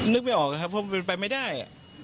นึกไม่ออกครับผมไปไม่ได้